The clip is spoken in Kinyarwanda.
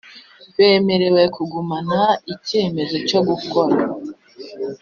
Bemerewe Kugumana icyemezo cyo gukora